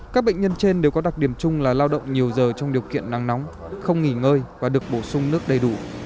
các bệnh nhân trên đều có đặc điểm chung là lao động nhiều giờ trong điều kiện nắng nóng không nghỉ ngơi và được bổ sung nước đầy đủ